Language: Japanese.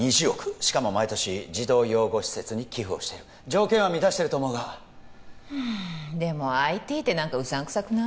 しかも毎年児童養護施設に寄付をしている条件は満たしてると思うがうんでもＩＴって何かうさんくさくない？